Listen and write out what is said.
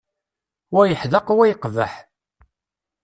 Wa yeḥdeq wa yeqbeḥ.